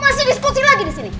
masih diskusi lagi di sini